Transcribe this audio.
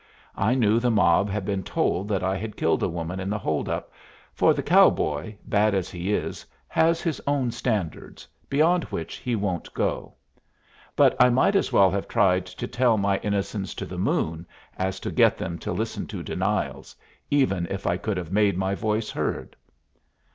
I knew the mob had been told that I had killed a woman in the hold up, for the cowboy, bad as he is, has his own standards, beyond which he won't go. But I might as well have tried to tell my innocence to the moon as to get them to listen to denials, even if I could have made my voice heard.